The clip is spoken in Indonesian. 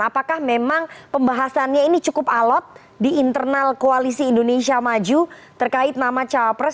apakah memang pembahasannya ini cukup alot di internal koalisi indonesia maju terkait nama cawapres